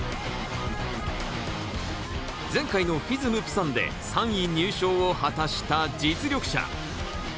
前回のＦＩＳＭプサンで３位入賞を果たした実力者。